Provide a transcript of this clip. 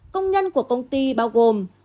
công nhân của công ty bao gồm